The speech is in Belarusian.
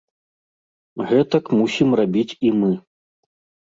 Гэтак мусім рабіць і мы.